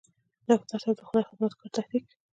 ډاکټر صېب د خدائ خدمتګار تحريک